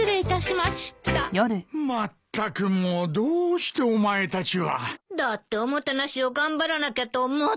まったくもうどうしてお前たちは。だっておもてなしを頑張らなきゃと思って。